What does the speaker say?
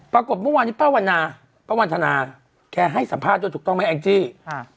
ปรากฏเมื่อวานนี้ป้าวันนาป้าวันทนาแกให้สัมภาษณ์ด้วยถูกต้องไหมแองจี้ค่ะ